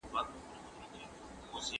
که په مانا پوه سې نو سواد دې پوره دی.